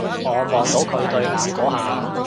我望到佢對眼嗰下